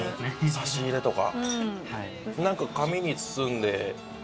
差し入れとか。